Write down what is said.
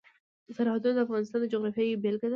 سرحدونه د افغانستان د جغرافیې بېلګه ده.